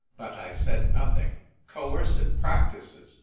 Uut I said nothing. Coercive practices